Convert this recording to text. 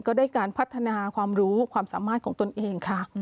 ก็ได้การพัฒนาความรู้ความสามารถของตนเองค่ะ